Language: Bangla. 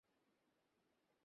তিনি গবেষণাগারে ফিরে আসেন।